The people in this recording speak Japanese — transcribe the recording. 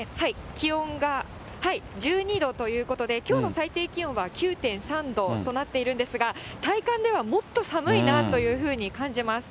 気温が１２度ということで、きょうの最低気温は９．３度となっているんですが、体感ではもっと寒いなというふうに感じます。